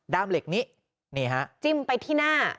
เหล็กนี้นี่ฮะจิ้มไปที่หน้า